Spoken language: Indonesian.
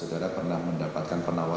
yang tak dikenal